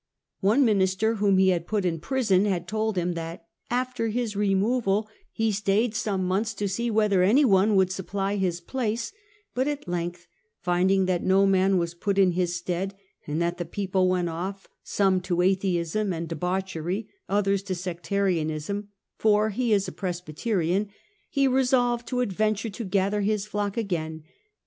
One minister whom he had put in prison had told him that ' after his removal he 6taid some months to see whether any other would supply his place; but at length, finding that no man was put in his stead, and that the people went off, some to atheism and debauchery, others to sectarianism (for he is a Pres byterian), he resolved to adventure to gather his flock again.